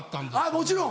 もちろん。